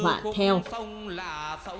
những người khác đồng thanh phụ bạn